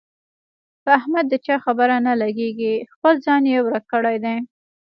په احمد د چا خبره نه لګېږي، خپل ځان یې ورک کړی دی.